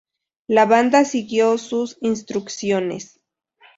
La banda siguió sus instrucciones.